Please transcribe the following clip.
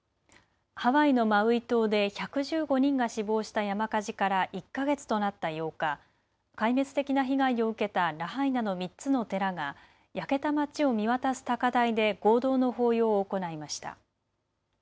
ハワイのマウイ島で１１５人が死亡した山火事から１か月となった８日、壊滅的な被害を受けたラハイナの３つの寺が焼けた町を見渡す高台で合同の法要を行いました。